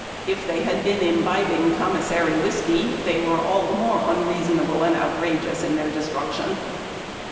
If they had been imbibing commissary whiskey, they were all the more unreasonable and outrageous in their destruction.